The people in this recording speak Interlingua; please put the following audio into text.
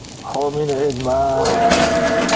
Homine in mar!